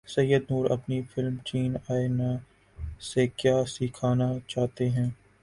سید نور اپنی فلم چین ائے نہ سے کیا سکھانا چاہتے ہیں